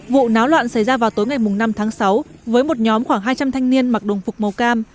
vụ náo loạn xảy ra vào tối ngày năm tháng sáu với một nhóm khoảng hai trăm linh thanh niên mặc đồng phục màu cam